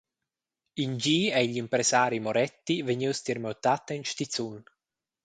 In di ei igl impressari Moretti vegnius tier miu tat en stizun.